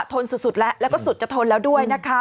ทนสุดแล้วแล้วก็สุดจะทนแล้วด้วยนะคะ